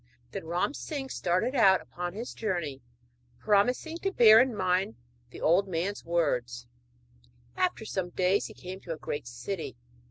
Then Ram Singh started out upon his journey, promising to bear in mind the old man's words. After some days he came to a great city.